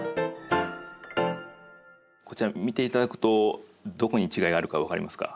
こちら見ていただくとどこに違いがあるか分かりますか？